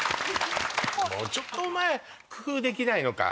もうちょっとお前工夫できないのか？